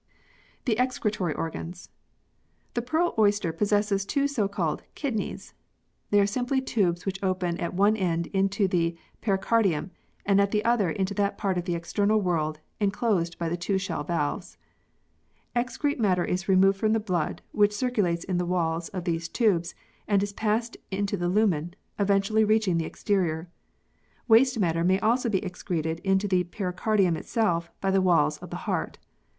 The Excretory Organs. The pearl oyster possesses two so called "kidneys." They are simply tubes which open at one end into the pericardium and at the other into that part of the external world enclosed by the two shell valves. Excrete matter is removed from the blood, which circulates in the walls of these tubes and is passed into the lumen, eventually reaching the exterior. Waste matter may also be excreted into the peri cardium itself by the walls of the heart.